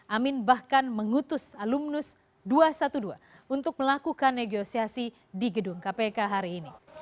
amin bahkan mengutus alumnus dua ratus dua belas untuk melakukan negosiasi di gedung kpk hari ini